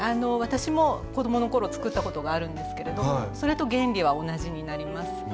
私も子供の頃作ったことがあるんですけれどそれと原理は同じになります。